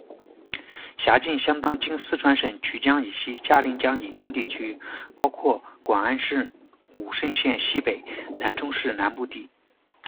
辖境相当今四川省渠江以西、嘉陵江以东地区，包括广安市武胜县西北、南充市南部地。